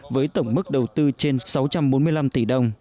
với tổng mức đầu tư trên sáu trăm bốn mươi năm tỷ đồng